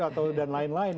atau dan lain lain